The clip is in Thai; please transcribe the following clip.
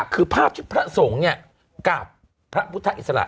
คือภาพที่พระสงฆ์กับพระพุทธอิสระ